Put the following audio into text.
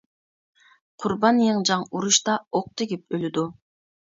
قۇربان يىڭجاڭ ئۇرۇشتا ئوق تېگىپ ئۆلىدۇ.